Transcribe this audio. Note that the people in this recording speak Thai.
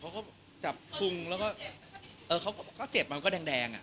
เขาก็จับพุงแล้วก็เขาเจ็บมันก็แดงอ่ะ